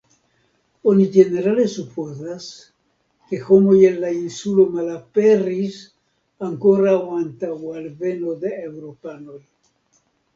Oni ĝenerale supozas, ke homoj el la insulo malaperis ankoraŭ antaŭ alveno de Eŭropanoj.